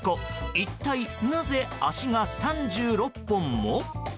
一体なぜ足が３６本も？